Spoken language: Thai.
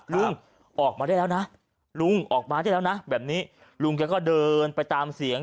ลุงออกมาได้แล้วนะลุงออกมาได้แล้วนะแบบนี้ลุงแกก็เดินไปตามเสียง